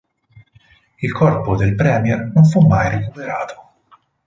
Il corpo del premier non fu mai recuperato.